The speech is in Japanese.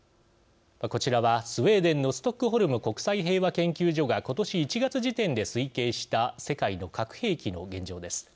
こちらはスウェーデンのストックホルム国際平和研究所がことし１月時点で推計した世界の核兵器の現状です。